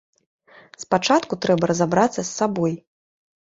Спачатку трэба разабрацца з сабой.